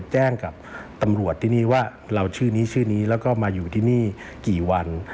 แจ้งกับตำรวจที่นี่ว่าเราชื่อนี้ชื่อนี้แล้วก็มาอยู่ที่นี่กี่วัน